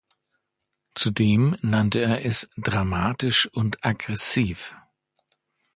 Zudem nannte er es „dramatisch und aggressiv“.